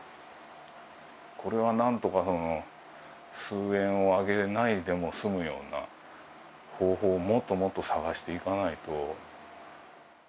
これはなんとか数円を上げないでも済むような方法を、もっともっと探していかないと。